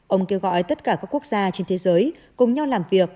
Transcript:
ông kêu gọi tất cả các quốc gia trên thế giới cùng nhau làm việc